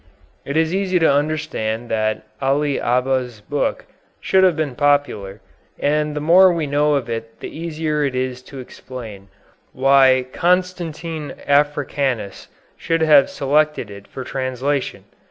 It is easy to understand that Ali Abbas' book should have been popular, and the more we know of it the easier it is to explain why Constantine Africanus should have selected it for translation.